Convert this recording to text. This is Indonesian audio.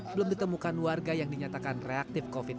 belum ditemukan warga yang dinyatakan reaktif covid sembilan belas